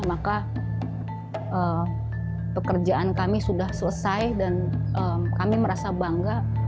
maka pekerjaan kami sudah selesai dan kami merasa bangga